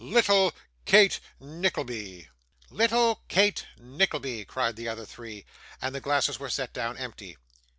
Little Kate Nickleby!' 'Little Kate Nickleby,' cried the other three. And the glasses were set down empty.